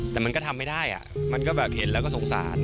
แต่มันก็ทำไม่ได้มันก็แบบเห็นแล้วก็สงสาร